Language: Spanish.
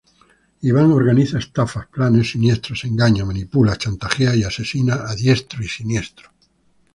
Iván organiza estafas, planes siniestros, engaña, manipula, chantajea y asesina a diestra y siniestra.